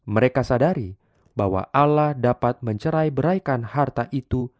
mereka sadari bahwa ala dapat mencerai beraikan harta itu